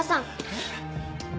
えっ？